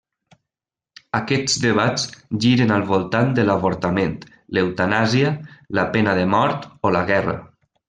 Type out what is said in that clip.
Aquests debats giren al voltant de l'avortament, l'eutanàsia, la pena de mort o la guerra.